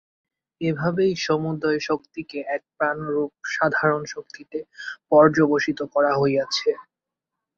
এইভাবেই সমুদয় শক্তিকে এক প্রাণরূপ সাধারণ শক্তিতে পর্যবসিত করা হইয়াছে।